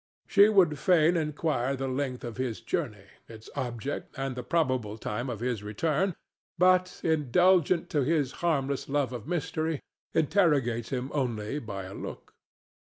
She would fain inquire the length of his journey, its object and the probable time of his return, but, indulgent to his harmless love of mystery, interrogates him only by a look.